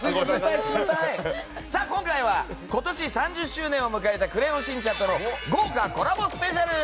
今回は、今年３０周年を迎えた「クレヨンしんちゃん」との豪華コラボスペシャル。